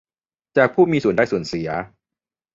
จากผู้มีส่วนได้ส่วนเสีย